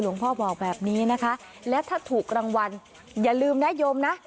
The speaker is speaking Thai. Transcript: พ่อบอกแบบนี้นะคะและถ้าถูกรางวัลอย่าลืมนะโยมนะ